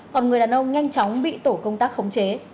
còn người đàn ông nhanh chóng bị tổ công tác khống chế